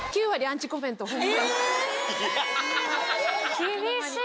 厳しい。